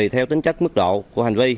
tùy theo tính chất mức độ của hành vi